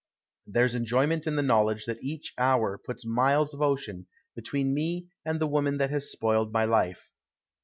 There's enjoyment in the knowledge that each hour puts miles of ocean between me and the woman that has spoiled my life.